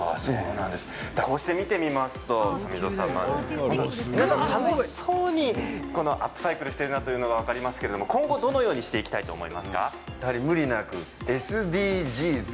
こうして見てみますと本当、皆さん楽しそうにアップサイクルしているなというのが分かりますけれども今後、どのようにしていきたいとやはり無理なくＳＤＧｓ。